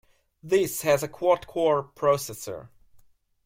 This has a quad-core processor.